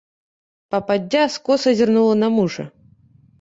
Пападдзя скоса зірнула на мужа.